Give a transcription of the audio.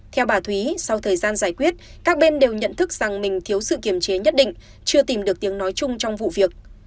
theo bà thúy sau thời gian giải quyết các bên đều nhận thức rằng mình thiếu sự kiểm chế nhất định chưa tìm được tiếng nói chung trong vụ việc